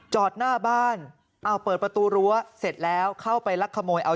ใช่ไหมบ้านคนอื่นครับ